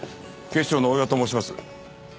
警視庁の大岩と申します。